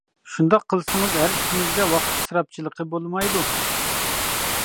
شۇنداق قىلسىڭىز ھەر ئىككىمىزگە ۋاقىت ئىسراپچىلىقى بولمايدۇ.